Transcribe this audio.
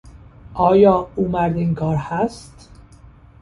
آیا او مرد این کار هست؟